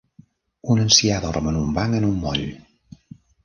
Un ancià dorm en un banc en un moll.